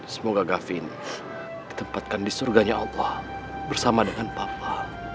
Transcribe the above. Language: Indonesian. semoga gavin ditempatkan di surganya allah bersama dengan papa